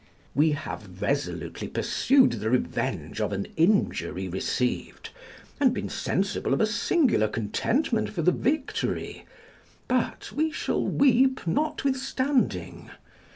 We have resolutely pursued the revenge of an injury received, and been sensible of a singular contentment for the victory; but we shall weep notwithstanding.